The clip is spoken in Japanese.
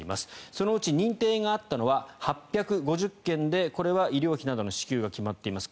そのうち認定があったのは８５０件でこれは医療費などの支給が決まっています。